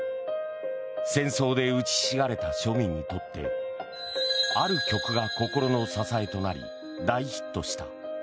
戦争で打ちひしがれた庶民にとってある曲が心の支えとなり大ヒットした。